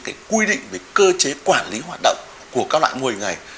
cái quy định về cơ chế quản lý hoạt động của các loại mô hình này